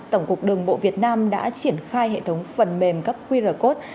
tổng cục đường bộ việt nam đã triển khai hệ thống phần mềm cấp qr code